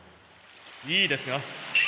いいですが。